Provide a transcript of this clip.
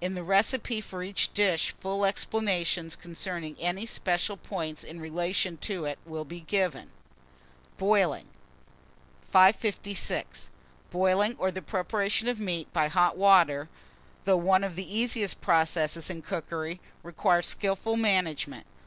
In the recipe for each dish, full explanations concerning any special points in relation to it will be given. BOILING. 556. BOILING, or the preparation of meat by hot water, though one of the easiest processes in cookery, requires skilful management.